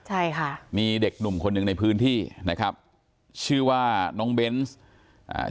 ใช่ค่ะมีเด็กหนุ่มคนหนึ่งในพื้นที่นะครับชื่อว่าน้องเบนส์อ่า